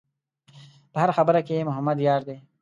په هره خبره کې محمد یار دی.